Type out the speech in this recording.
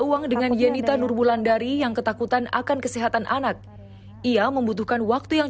uang dengan yenita nurbulandari yang ketakutan akan kesehatan anak ia membutuhkan waktu yang